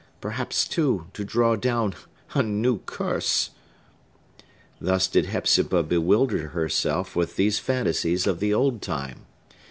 Perhaps, too, to draw down a new curse!" Thus did Hepzibah bewilder herself with these fantasies of the old time.